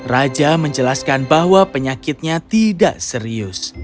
raja menjelaskan bahwa penyakitnya tidak serius